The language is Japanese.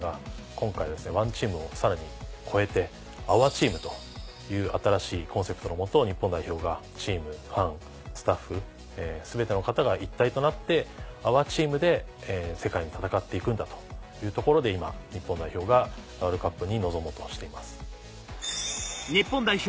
今回はですね「ＯＮＥＴＥＡＭ」をさらに超えて。という新しいコンセプトの下日本代表がチームファンスタッフ全ての方が一体となって「ＯｕｒＴｅａｍ」で世界に戦っていくんだというところで今日本代表がワールドカップに臨もうとしています。